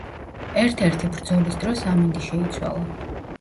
ერთ-ერთი ბრძოლის დროს ამინდი შეიცვალა.